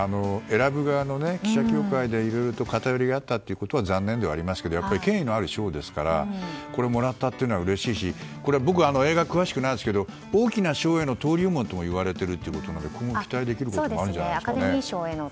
選ぶ側の記者協会ではいろいろと偏りがあったということは残念ではありますけどやっぱり権威のある賞ですからこれをもらったということはうれしいし、僕は映画詳しくないですが大きな賞への登竜門といわれているということで今後、期待できることもあるでしょうね。